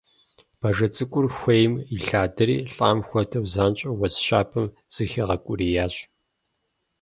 Бажэ цӀыкӀур хуейм илъадэри, лӀам хуэдэу, занщӀэу уэс щабэм зыхигъэукӀуриящ.